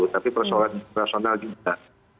tapi personal kita